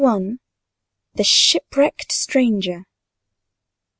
The Shipwrecked Stranger.